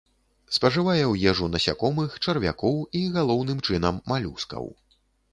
Спажывае ў ежу насякомых, чарвякоў і, галоўным чынам, малюскаў.